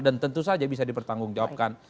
dan tentu saja bisa dipertanggung jawabkan